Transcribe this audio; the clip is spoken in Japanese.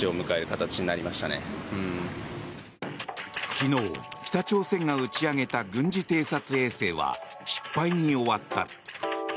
昨日、北朝鮮が打ち上げた軍事偵察衛星は失敗に終わった。